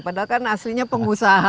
padahal kan aslinya pengusaha